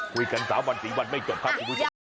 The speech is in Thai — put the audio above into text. คุยกัน๓วันถึงวันไม่จบครับที่ผู้ชม